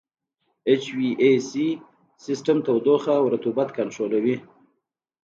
اچ وي اې سي سیسټم تودوخه او رطوبت کنټرولوي.